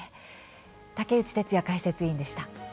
竹内哲哉解説委員でした。